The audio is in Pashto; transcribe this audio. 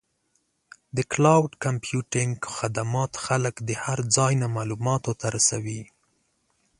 د کلاؤډ کمپیوټینګ خدمات خلک د هر ځای نه معلوماتو ته رسوي.